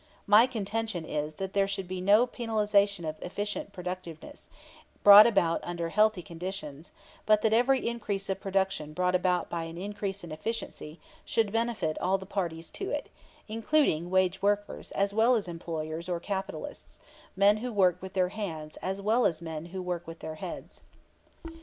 My contention is that there should be no penalization of efficient productiveness, brought about under healthy conditions; but that every increase of production brought about by an increase in efficiency should benefit all the parties to it, including wage workers as well as employers or capitalists, men who work with their hands as well as men who work with their heads.